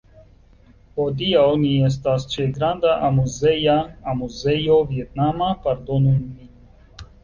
Hodiaŭ ni estas ĉe granda amuzeja... amuzejo vietnama... pardonu min